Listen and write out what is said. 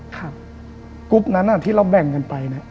กรุ๊ปนั้นที่เราแบ่งกันไปเนี่ย